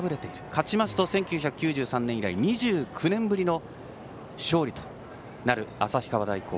勝ちますと１９９３年以来２９年ぶりの勝利となる旭川大高。